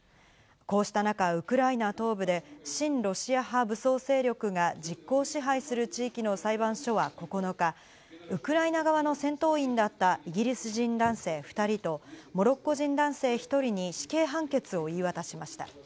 こうした中、ウクライナ東部で、親ロシア派武装勢力が実効支配する地域の裁判所は９日、ウクライナ側の戦闘員だったイギリス人男性２人と、モロッコ人男性１人に死刑判決を言い渡しました。